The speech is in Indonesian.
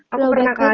aku pernah kak